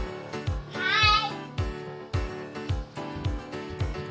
はい。